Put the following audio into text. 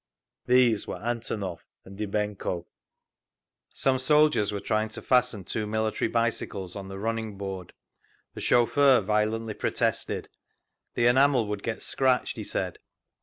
These were Antonov and Dybenko. Some soldiers were trying to fasten two military bicycles on the running board. The chauffeur violently protested; the enamel would get scratched, he said.